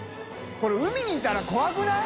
これ海にいたら怖くない？